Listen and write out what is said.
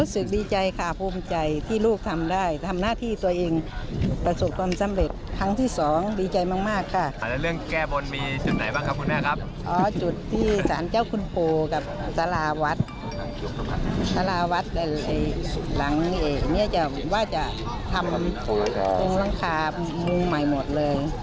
สุดหลังนี้เองว่าจะทำมุมร้างคามุมใหม่หมดเลย